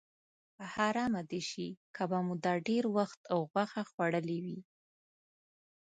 حرامه دې شي که به مو دا ډېر وخت غوښه خوړلې وي.